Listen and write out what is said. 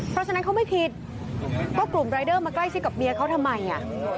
เพราะฉะนั้นเขาไม่ผิดก็กลุ่มรายเดอร์มาใกล้ชิดกับเมียเขาทำไมอ่ะ